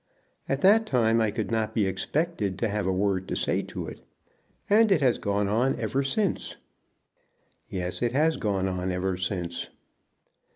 "At that time I could not be expected to have a word to say to it. And it has gone on ever since." "Yes, it has gone on ever since."